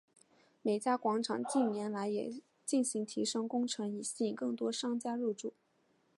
美嘉广场近年来也进行提升工程以吸引更多商家入住。